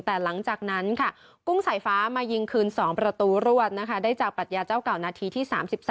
แต่หลังจากนั้นค่ะกุ้งสายฟ้ามายิงคืน๒ประตูรวดนะคะได้จากปรัชญาเจ้าเก่านาทีที่๓๓